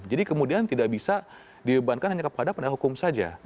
jadi kemudian tidak bisa dibebankan hanya kepada pendah hukum saja